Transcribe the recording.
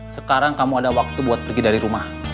sekarang kamu ada waktu buat pergi dari rumah